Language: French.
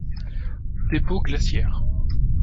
Dépôts glaciaires.